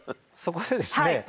そこでですね